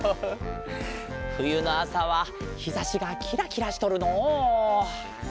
ふゆのあさはひざしがキラキラしとるのう。